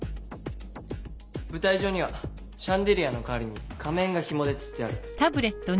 舞台上にはシャンデリアの代わりに仮面がヒモでつってある。